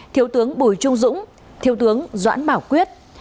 thiếu tướng bùi trung dũng thiếu tướng doãn bảo quyết